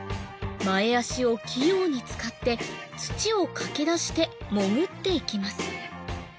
前脚を器用に使って土をかき出して潜って行きます